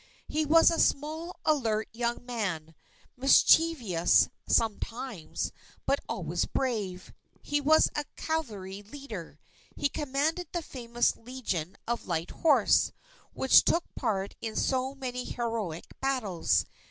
He was a small, alert, young man, mischievous sometimes, but always brave. He was a cavalry leader. He commanded the famous Legion of Light Horse, which took part in so many heroic battles.